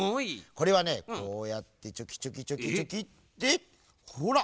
これはねこうやってチョキチョキチョキチョキってほら！